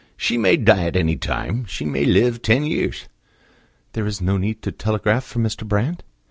"She may die at any time; she may live ten years." "There is no need to telegraph for Mr. Brand?"